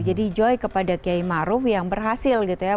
jadi joy kepada kiai maruf yang berhasil gitu ya